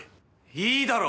いいだろ？